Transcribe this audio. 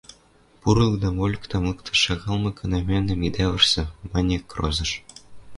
Пурлыкдам, вольыкдам лыкташ шагалмыкына, мӓмнӓм идӓ вырсы, – маньы, крозыш.